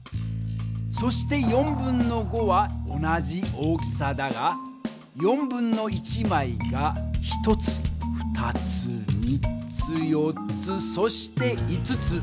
そしては同じ大きさだが1/4枚が１つ２つ３つ４つそして５つ。